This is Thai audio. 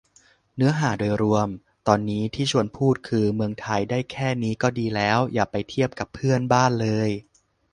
เนื้อหาโดยรวมตอนนี้ที่ชวนพูดคือ เมืองไทยได้แค่นี้ก็ดีแล้ว อย่าไปเทียบกับเพื่อนบ้านเลย